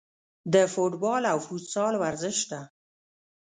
د فوټبال او فوتسال ورزش ته